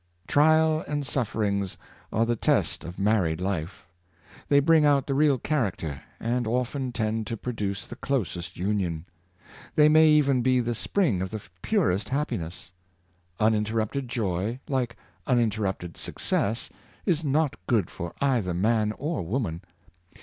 Trial and sufferings are the tests of married life. They bring out the real character, and often tend ta produce the closest union. They may even be the spring of the purest happiness. Uninterrupted joy, like uninterrupted success, is not good for either man or woman.